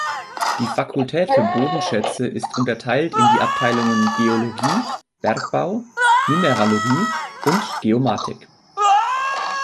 Die Fakultät für Bodenschätze ist unterteilt in die Abteilungen Geologie, Bergbau, Mineralogie und Geomatik.